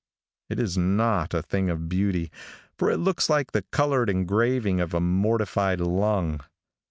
It is not a thing of beauty, for it looks like the colored engraving of a mortified lung.